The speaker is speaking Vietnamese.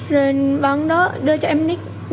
rồi bán đó đưa cho em nick